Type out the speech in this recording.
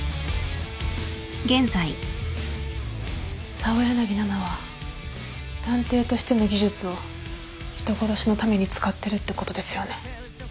澤柳菜々は探偵としての技術を人殺しのために使ってるってことですよね？